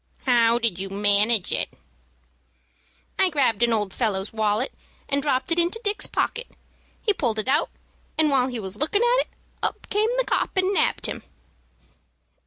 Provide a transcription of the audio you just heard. "How did you manage it?" "I grabbed an old fellow's wallet, and dropped it into Dick's pocket. He pulled it out, and while he was lookin' at it, up came the 'copp' and nabbed him."